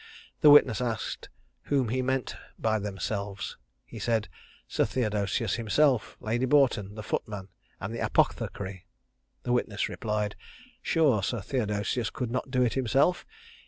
The witness asked, "Whom he meant by themselves?" He said, "Sir Theodosius himself, Lady Boughton, the footman, and the apothecary." The witness replied, "Sure, Sir Theodosius could not do it himself!"